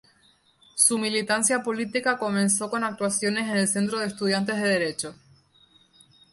Su militancia política comenzó con actuaciones en el Centro de Estudiantes de Derecho.